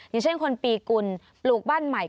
อย่างเช่นคนปีกุลปลูกบ้านใหม่